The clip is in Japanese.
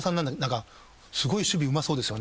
何かすごい守備うまそうですよね。